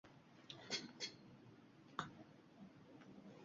Qarg‘alar g‘iybat bilsa, u ko‘shig‘u she’r bildi.